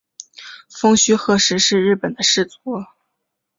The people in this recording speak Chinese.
蜂须贺氏是日本的氏族。